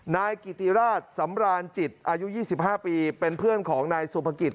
นายกิติราชสำรานจิตอายุ๒๕ปีเป็นเพื่อนของนายสุภกิจ